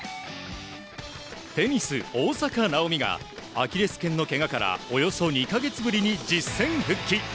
テニス、大坂なおみがアキレス腱のけがからおよそ２か月ぶりに実戦復帰。